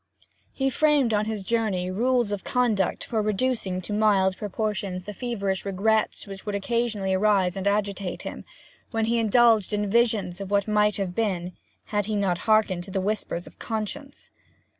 He framed on his journey rules of conduct for reducing to mild proportions the feverish regrets which would occasionally arise and agitate him, when he indulged in visions of what might have been had he not hearkened to the whispers of conscience.